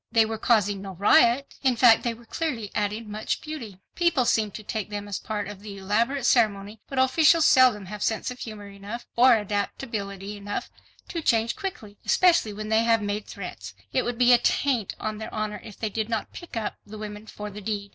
They were causing no riot, in fact they were clearly adding much beauty—people seemed to take them as part of the elaborate ceremony—but officials seldom have sense of humor enough or adaptability enough to change quickly, especially when they have made threats. It would be a taint on their honor, if they did not "pick up" the women for the deed.